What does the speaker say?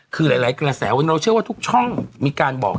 คือหลายกระแสเราเชื่อว่าทุกช่องมีการบอก